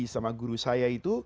sama guru saya itu